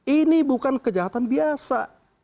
ini bukan kejahatan biasa